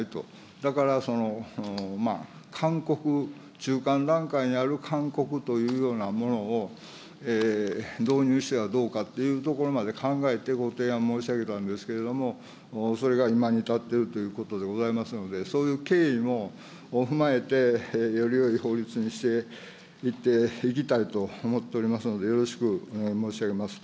だから勧告、中間段階にある勧告というようなものを導入してはどうかというところまで考えてご提案申し上げたんですけれども、それが今に至っているということでございますので、そういう経緯も踏まえて、よりよい法律にしていっていきたいと思っておりますので、よろしくお願い申し上げます。